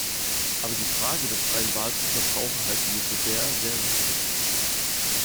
Aber die Frage der freien Wahl für Verbraucher halten wir für sehr, sehr wichtig.